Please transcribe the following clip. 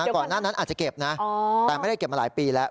ก่อนหน้านั้นอาจจะเก็บนะแต่ไม่ได้เก็บมาหลายปีแล้ว